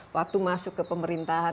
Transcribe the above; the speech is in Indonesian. waktu masuk ke pemerintahan